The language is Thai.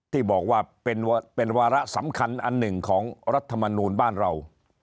ที่บอกว่าเป็นวาระสำคัญอันหนึ่งของรัฐมนูลบ้านเรา